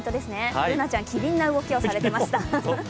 Ｂｏｏｎａちゃん、機敏な動きをされていました。